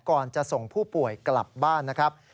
ก่อนจะส่งผู้ป่วยกลับบ้านนะครับ